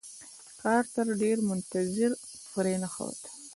کارتر ډېر منتظر پرې نښود.